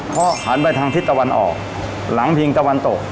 เขาหันไปทางทิศตะวันออกหลังพิงตะวันตก